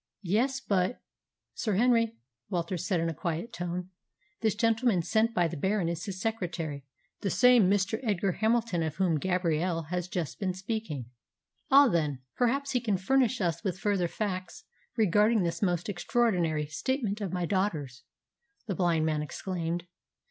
"Yes, but " "Sir Henry," Walter said in a quiet tone, "this gentleman sent by the Baron is his secretary, the same Mr. Edgar Hamilton of whom Gabrielle has just been speaking." "Ah, then, perhaps he can furnish us with further facts regarding this most extraordinary statement of my daughter's," the blind man exclaimed.